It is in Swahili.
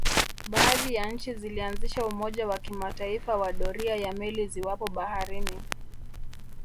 Baadhi ya nchi zilianzisha umoja wa kimataifa wa doria ya meli ziwapo baharini